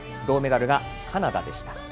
銅メダルがカナダでした。